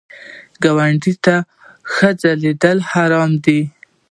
ګاونډي ته ښکنځل حرام دي